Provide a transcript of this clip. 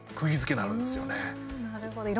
なるほど。